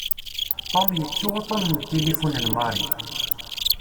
Tom yettu uṭṭun n tilifun n Mary.